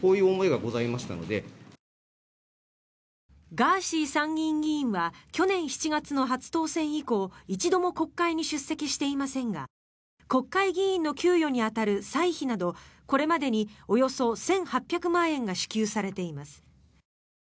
ガーシー参議院議員は去年７月の初当選以降一度も国会に出席していませんが国会議員の給与に当たる歳費などこれまでにおよそ１８００万円が支給されています。